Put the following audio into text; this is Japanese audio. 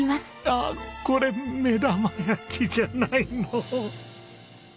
あっこれ目玉焼きじゃないの。